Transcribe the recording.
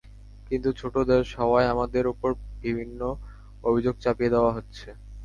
কিন্তু ছোট দেশ হওয়ায় আমাদের ওপর বিভিন্ন অভিযোগ চাপিয়ে দেওয়া হচ্ছে।